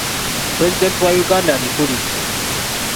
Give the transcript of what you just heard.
Pulezidenti wa Uganda alekulidde.